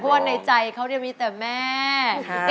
แต่ว่าในใจเขาเรียกว่ามีแต่แม่